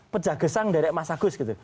pejahgesang dari mas agus gitu